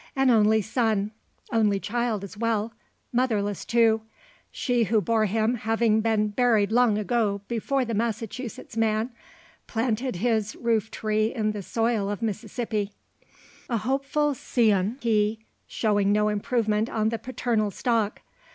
An only son only child as well motherless too she who bore him having been buried long before the Massachusetts man planted his roof tree in the soil of Mississippi. A hopeful scion he, showing no improvement on the paternal stock.